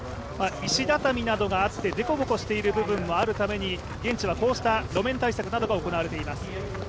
石畳などがあって、凸凹している部分もあるために現地はこうした路面対策などが行われています。